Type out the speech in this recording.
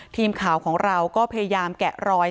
ทีมข่าวของเราก็พยายามแกะรอย